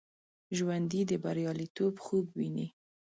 ژوندي د بریالیتوب خوب ویني